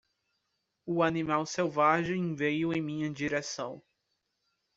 O animal selvagem veio em minha direção.